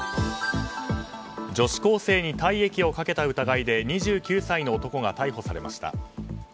女子高生に体液をかけた疑いで２９歳の男が逮捕されました。